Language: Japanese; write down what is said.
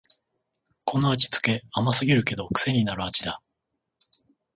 この味つけ、甘すぎるけどくせになる味だ